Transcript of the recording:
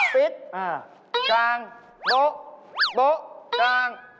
ปิดกลางโบ๊ะโบ๊ะกลาง